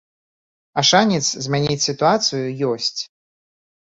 А шанец змяніць сітуацыю ёсць.